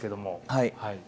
はい。